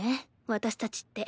私たちって。